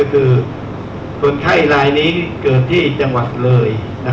คือคนไข้ลายนี้เกิดที่จังหวัดเลย